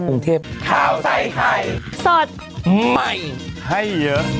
เกาไทย